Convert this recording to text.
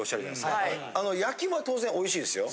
焼きも当然おいしいですよ。